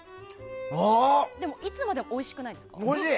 でも、いつまでもおいしくないですか？